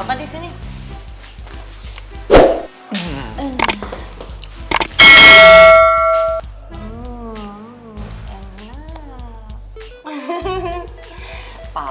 apa sore ketawa